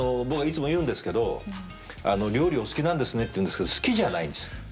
僕はいつも言うんですけど料理お好きなんですねって言うんですけど好きじゃないんです。